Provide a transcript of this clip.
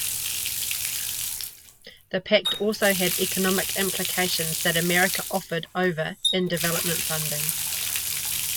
The pact also had economic implications that America offered over in development funding.